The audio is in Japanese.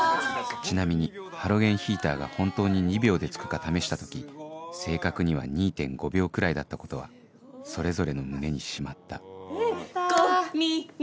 ちなみにハロゲンヒーターが本当に２秒でつくか試した時正確には２．５秒くらいだったことはそれぞれの胸にしまったこ・み・ね！